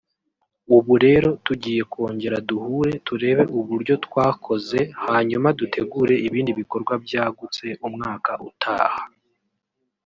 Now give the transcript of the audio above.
ubu rero tugiye kongera duhure turebe uburyo twakoze hanyuma dutegure ibindi bikorwa byagutse umwaka utaha